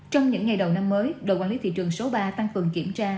trong những ngày đầu năm mới đội quản lý thị trường số ba tăng cường kiểm tra